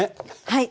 はい。